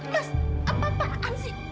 mas apaan sih